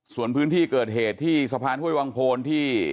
ส่วนพื้นที่เกิดเหตุที่สะพานห้วยวังโพนที่